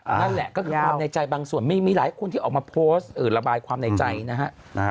นั่นแหละก็คือความในใจบางส่วนมีหลายคนที่ออกมาโพสต์ระบายความในใจนะฮะ